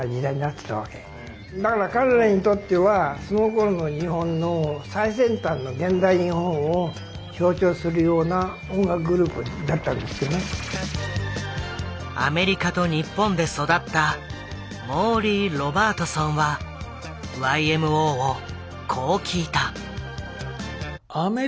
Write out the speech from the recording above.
だから彼らにとってはそのころの日本の最先端のアメリカと日本で育ったモーリー・ロバートソンはＹＭＯをこう聴いた。